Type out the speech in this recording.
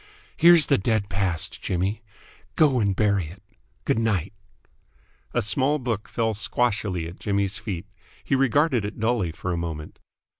"Here's the dead past, Jimmy! Go and bury it! Good night!" A small book fell squashily at Jimmy's feet. He regarded it dully for a moment.